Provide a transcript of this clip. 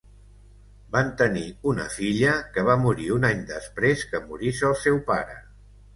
Van tenir una filla que va morir un any després que morís el seu pare.